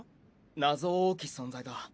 謎多き存在だ。